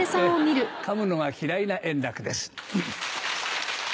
噛むのが嫌いな円楽です。